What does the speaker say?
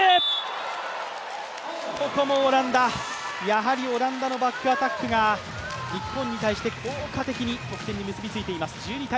やはりオランダのバックアタックが日本に対して効果的に得点に結びついています。